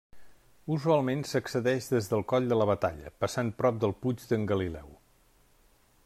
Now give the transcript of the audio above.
Usualment s'accedeix des del Coll de la Batalla, passant prop del Puig d'en Galileu.